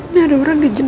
nih ada orang di jendela